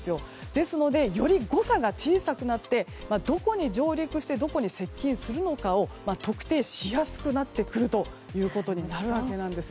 ですので誤差が小さくなってどこに上陸してどこに接近するのかを特定しやすくなってくるということになります。